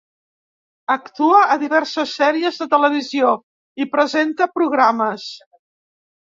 Actua a diverses sèries de televisió i presenta programes.